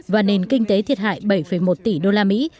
và nền kinh tế thiệt hại bảy một tỷ usd